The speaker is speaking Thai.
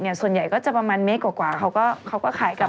โดยส่วนใหญ่ก็จะประมาณเมฆกว่าเขาก็ขายกลับไปแล้วนะครับ